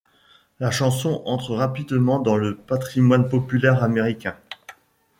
La chanson entre rapidement dans le patrimoine populaire américain.